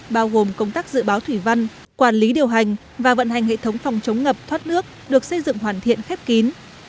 bao gồm công tác dự báo thủy văn quản lý điều hành và vận hành hệ thống phòng chống ngập thoát nước được xây dựng hoàn thiện khép kín